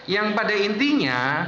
yang pada intinya